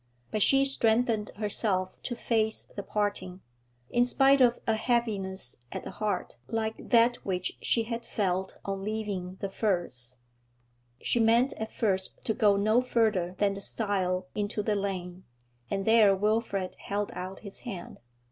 But she strengthened herself to face the parting, in spite of a heaviness at the heart like that which she had felt on leaving The Firs. She meant at first to go no further than the stile into the lane, and there Wilfrid held out his hand.